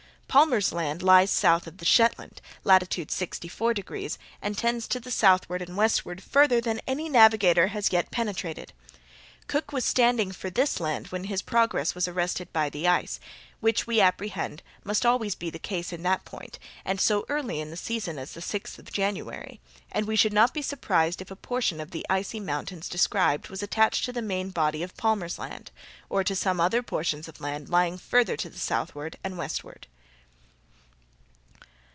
Palmer's Land lies south of the Shetland, latitude sixty four degrees, and tends to the southward and westward farther than any navigator has yet penetrated. Cook was standing for this land when his progress was arrested by the ice; which, we apprehend, must always be the case in that point, and so early in the season as the sixth of January—and we should not be surprised if a portion of the icy mountains described was attached to the main body of Palmer's Land, or to some other portions of land lying farther to the southward and westward."